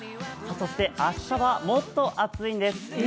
そして明日はもっと暑いんです。